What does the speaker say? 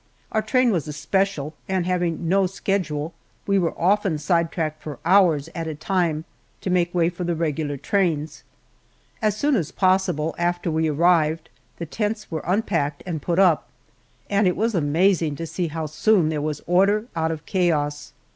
Our train was a special, and having no schedule, we were often sidetracked for hours at a time, to make way for the regular trains. As soon as possible after we arrived, the tents were unpacked and put up, and it was amazing to see how soon there was order out of chaos.